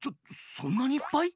そんなにいっぱい？